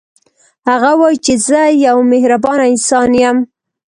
هغه وايي چې زه یو مهربانه انسان یم